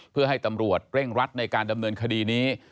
เพื่อให้ตำรวจเร่งรัดในการดำเนินคดีนี้